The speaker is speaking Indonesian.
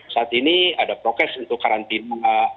saat ini ada prokes untuk karantina